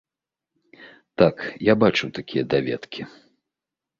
Так, я бачыў такія даведкі.